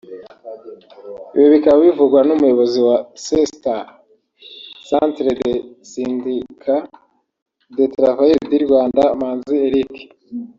Ibi bikaba bivugwa n’umuyobozi wa Cestrar (Centre des syndicats des travailleurs du Rwanda) Manzi Eric